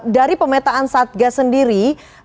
dari pemetaan satgas sendiri